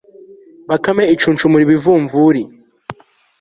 bakame icunshumura ibivumvuli